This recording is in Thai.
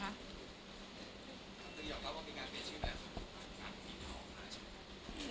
ที่เกี่ยวก็ว่ามีงานเปลี่ยนชิ้นไหมคะ